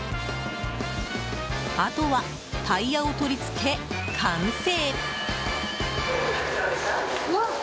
あとはタイヤを取り付け、完成。